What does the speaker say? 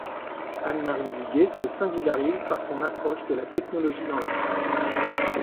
Anne-Marie Duguet se singularise par son approche de la technologie dans l'art.